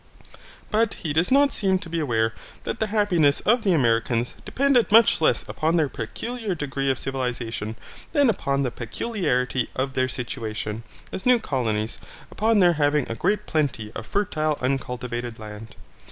But he does not seem to be aware that the happiness of the Americans depended much less upon their peculiar degree of civilization than upon the peculiarity of their situation, as new colonies, upon their having a great plenty of fertile uncultivated land.